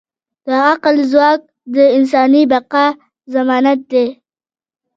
د عقل ځواک د انساني بقا ضمانت دی.